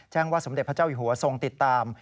ว่าสมเด็จพระเจ้าอยู่หัวทรงติดตาม